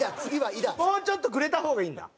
もうちょっとくれた方がいいんだ？